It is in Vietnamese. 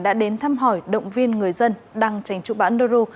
đã đến thăm hỏi động viên người dân đang tránh trụ bão ru